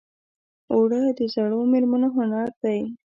اوړه د زړو مېرمنو هنر دی